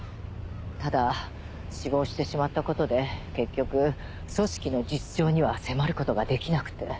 ただ死亡してしまったことで結局組織の実情には迫ることができなくて。